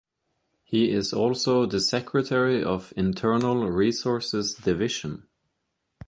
He is also the secretary of Internal Resources Division.